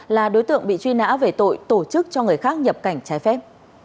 là đối tượng bị truy nã về tội tổ chức cho người khác nhập cảnh trái phép